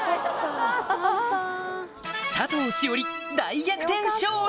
佐藤栞里大逆転勝利！